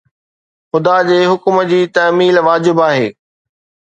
خدا جي حڪم جي تعميل واجب آهي